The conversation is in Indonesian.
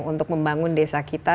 untuk membangun desa kita